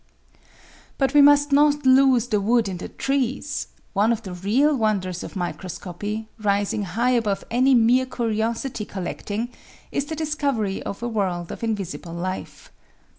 But we must not lose the wood in the trees : one of the real wonders of microscopy, rising high above any mere curiosity collecting, is the discovery of a world of invisible life.